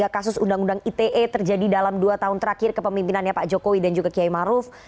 kasus undang undang ite terjadi dalam dua tahun terakhir kepemimpinannya pak jokowi dan juga kiai maruf